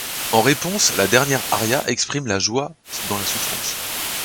En réponse, la dernière aria exprime la joie dans la souffrance.